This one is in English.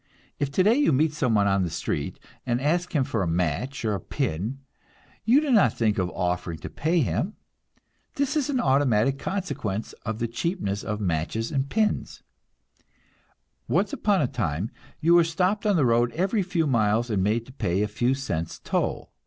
If today you meet someone on the street and ask him for a match or a pin, you do not think of offering to pay him. This is an automatic consequence of the cheapness of matches and pins. Once upon a time you were stopped on the road every few miles and made to pay a few cents toll.